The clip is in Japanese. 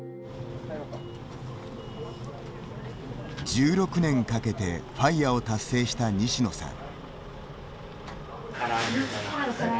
１６年かけてＦＩＲＥを達成した西野さん。